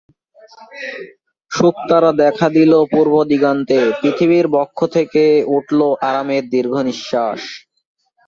দেহ মধ্যম গভীর এবং চাপা।